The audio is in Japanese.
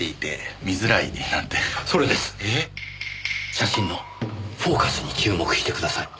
写真のフォーカスに注目してください。